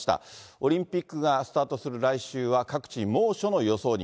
オリンピックがスタートする来週は、各地猛暑の予想に。